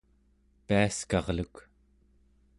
piaskarluk